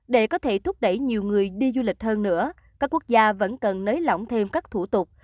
vì thúc đẩy nhiều người đi du lịch hơn nữa các quốc gia vẫn cần nới lỏng thêm các thủ tục